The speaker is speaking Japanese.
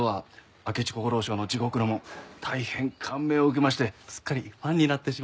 明智小五郎賞の『地獄の門』大変感銘を受けましてすっかりファンになってしまいました。